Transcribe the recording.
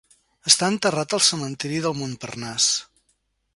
Està enterrat al cementiri del Montparnasse.